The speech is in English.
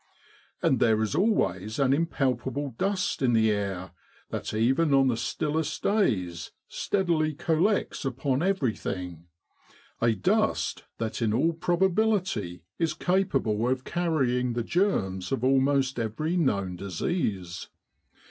And there is always an impalpable dust in the air that even on the stillest days steadily collects upon everything a dust that in all probability is capable of carrying the germs of almost every known disease.